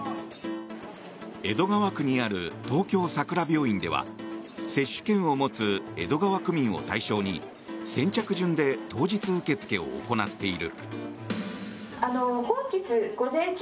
江戸川区にある東京さくら病院では接種券を持つ江戸川区民を対象に先着順で当日受け付けを行っている。